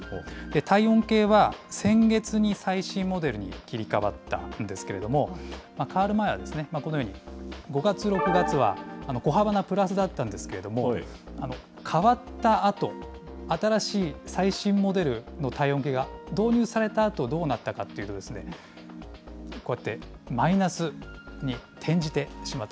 体温計は先月に最新モデルに切り替わったんですけれども、変わる前は、このように、５月、６月は小幅なプラスだったんですけれども、替わったあと、新しい最新モデルの体温計が導入されたあとどうなったかというとですね、こうやってマイナスに転じてしまった。